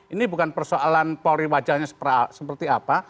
ini bukan persoalan polri wajahnya seperti apa